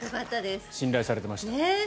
信頼されてました。